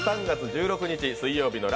３月１６日